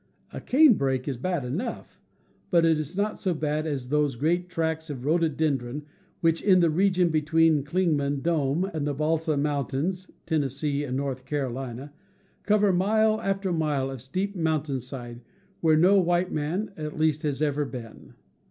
A canebrake is bad enough, but it is not so bad as those great tracts of rhododendron which, in the region ., between Clingman Dome and the Bal sam Mountains (Tennessee and North Carolina) cover mile after mile of steep mountainside where no white man, at least, has ever been.